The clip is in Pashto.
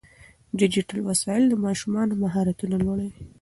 ډیجیټل وسایل د ماشومانو مهارتونه لوړوي.